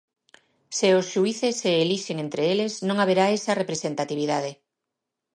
Se os xuíces se elixen entre eles non haberá esa representatividade.